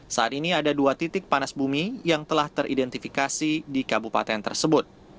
saat ini ada dua titik panas bumi yang telah teridentifikasi di kabupaten tersebut